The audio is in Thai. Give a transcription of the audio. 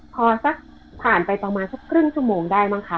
พอสักผ่านไปประมาณสักครึ่งชั่วโมงได้มั้งคะ